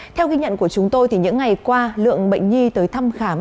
theo ghi nhận của chúng tôi những ngày qua lượng bệnh nhi tới thăm khám